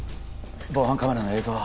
防犯カメラの映像は？